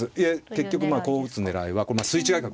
結局まあこう打つ狙いはこれ筋違い角。